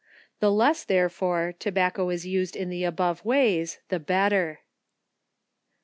The less, therefore, tobacco is used in the above ways, the better. 9.